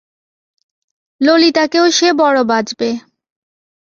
ললিতাকেও সে বড়ো বাজবে।